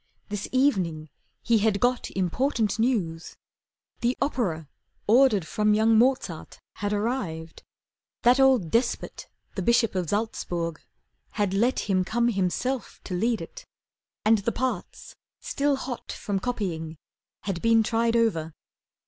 This evening he had got Important news. The opera ordered from Young Mozart was arrived. That old despot, The Bishop of Salzburg, had let him come Himself to lead it, and the parts, still hot From copying, had been tried over.